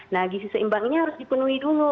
nah gizi seimbang ini harus dipenuhi dulu